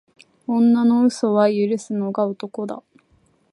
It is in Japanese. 女の嘘は許すのが男だ